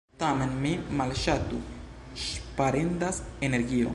Tamen mi malŝaltu, ŝparendas energio.